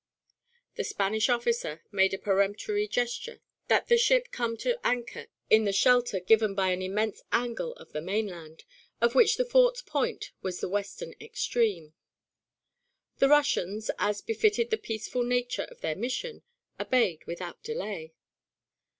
The Spanish officer made a peremptory gesture that the ship come to anchor in the shelter given by an immense angle of the mainland, of which the fort's point was the western extreme. The Russians, as befitted the peaceful nature of their mission, obeyed without delay.